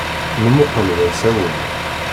Nemmuqqel d asawen.